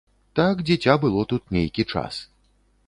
Так дзіця было тут нейкі час.